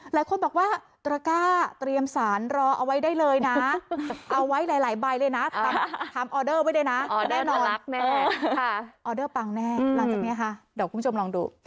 หลังทานเสร็จลิซ่าเขาก็ออกมาถ่ายภาพกับทีมงานอย่างที่เห็นไปเมื่อสักครู่